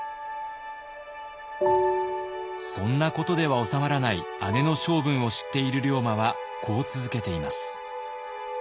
そんなことではおさまらない姉の性分を知っている龍馬はこう続けています。